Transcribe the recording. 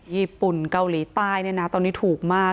ญี่ปุ่นเกาหลีใต้เนี่ยนะตอนนี้ถูกมาก